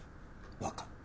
わかった。